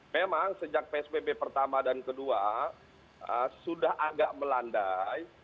memang sejak psbb pertama dan kedua sudah agak melandai